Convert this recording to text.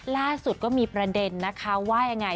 ล่าสุดก็มีประเด็นนะคะว่ายังไง